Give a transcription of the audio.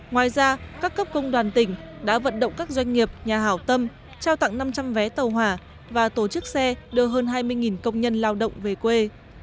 ngoài ra các cấp công đoàn tỉnh đã vận động các doanh nghiệp nhà hảo tâm trao tặng năm trăm linh vé tàu hỏa và tổ chức xe đưa hơn hai mươi công nhân lao động về quê